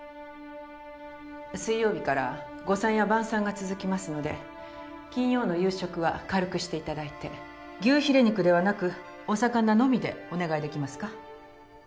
水曜日から午餐や晩餐が続きますので金曜の夕食は軽くしていただいて牛ヒレ肉ではなくお魚のみでお願いできますか？